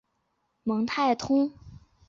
蒙泰通。